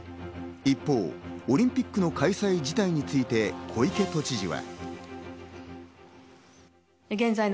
一方、オリンピックの開催自体について小池都知事は。